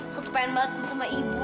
aku tuh pengen banget bersama ibu